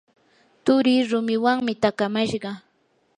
turii rumiwanmi takamashqa.